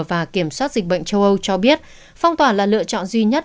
và kiểm soát dịch bệnh châu âu cho biết phong tỏa là lựa chọn duy nhất